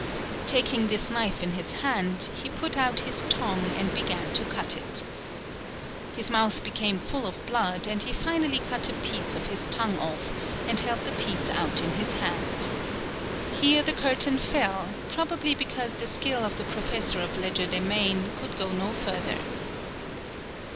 Taking this knife in his hand, he put out his tongue, and began to cut it. His mouth became full of blood, and he finally cut a piece of his tongue off, and held the piece out in his hand. Here the curtain fell, probably because the skill of the professor of legerdemain could go no further.